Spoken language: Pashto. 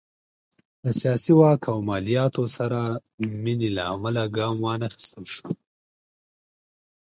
له سیاسي واک او مالیاتو سره مینې له امله ګام وانخیستل شو.